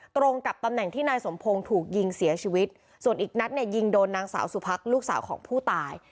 ตรงกับตำแหน่งที่นายสมพงศ์ถูกยิงเสียชีวิตส่วนอีกนัดเนี่ยยิงโดนนางสาวสุพักลูกสาวของผู้ตาย